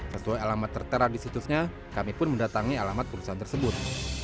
sesuai alamat tertera di situsnya kami pun mendatangi alamat perusahaan tersebut